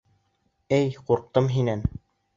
Эй, ҡурҡтым һинән!